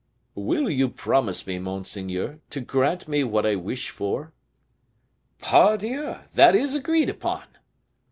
"Will you promise me, monseigneur, to grant me what I wish for?" "Pardieu! That is agreed upon."